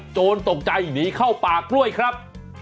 โจรตกใจหนีเข้าป่ากล้วยครับ